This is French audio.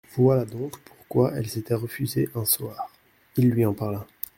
Voilà donc pourquoi elle s'était refusée, un soir ! Il lui en parla.